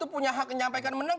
punya hak menyampaikan menang